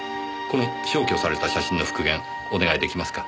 この消去された写真の復元お願いできますか。